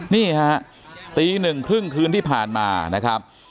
นี่ฮะตีหนึ่งครึ่งคืนที่ผ่านมานะครับ